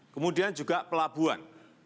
kemudian juga pelabuhan